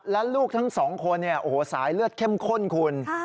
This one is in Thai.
และลูกทั้ง๒คนสายเลือดเข้มข้นคุณ